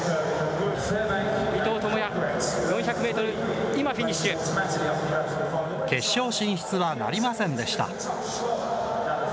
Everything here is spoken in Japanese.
伊藤智也、４００メートル、今、決勝進出はなりませんでした。